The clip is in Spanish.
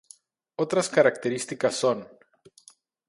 Otras características son.